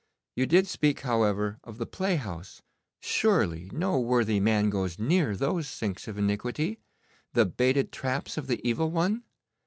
You did speak, however, of the playhouse. Surely no worthy man goes near those sinks of iniquity, the baited traps of the Evil One?